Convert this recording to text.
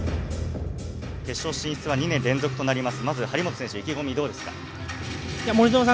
決勝進出は２年連続となります。